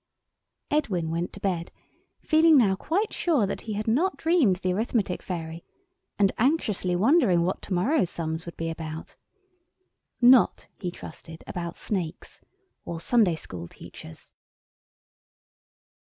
Edwin went to bed, feeling now quite sure that he had not dreamed the Arithmetic Fairy, and anxiously wondering what to morrow's sums would be about. Not, he trusted, about snakes, or Sunday School teachers.